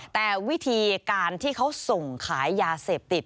แต่วิธีการที่เขาส่งขายยาเสพติด